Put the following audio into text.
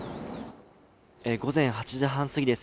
午前８時半すぎです。